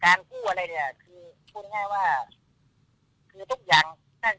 การกู้อะไรเนี้ยคือพูดง่ายง่ายว่าคือทุกอย่างน่ะ